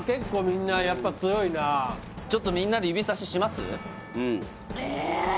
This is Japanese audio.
みんなやっぱ強いなちょっとみんなでえっ